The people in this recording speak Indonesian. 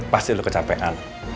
pasti lo kecapean